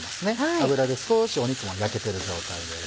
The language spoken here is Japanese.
脂で少し肉も焼けてる状態です。